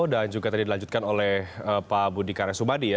dan juga tadi dilanjutkan oleh pak budi karesubadi